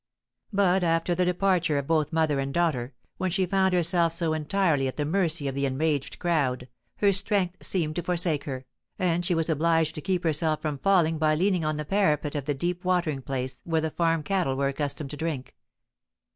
But, after the departure of both mother and daughter, when she found herself so entirely at the mercy of the enraged crowd, her strength seemed to forsake her, and she was obliged to keep herself from falling by leaning on the parapet of the deep watering place where the farm cattle were accustomed to drink.